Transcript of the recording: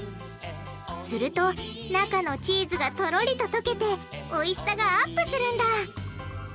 すると中のチーズがとろりと溶けておいしさがアップするんだ！